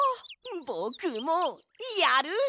ぼくもやる！